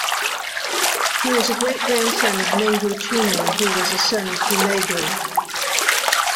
He was a great-grandson of Mengu Timur, who was a son of Hulegu.